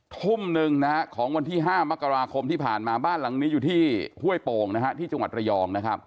ทุ่มหนึ่งของวันที่๕มกราคมที่ผ่านมาบ้านหลังนี้อยู่ที่ห้วยโป่งที่จังหวัดระยอง